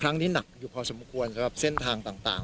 หนักอยู่พอสมควรสำหรับเส้นทางต่าง